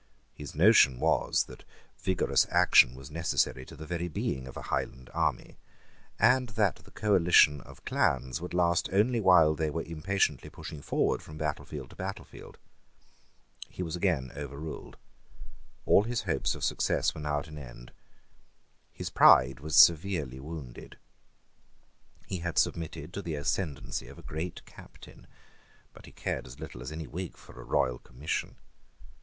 His notion was that vigorous action was necessary to the very being of a Highland army, and that the coalition of clans would last only while they were impatiently pushing forward from battlefield to battlefield. He was again overruled. All his hopes of success were now at an end. His pride was severely wounded. He had submitted to the ascendancy of a great captain: but he cared as little as any Whig for a royal commission.